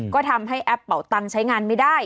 ก็ทำให้แอปเป่าตังค์ใช้งานไม่ได้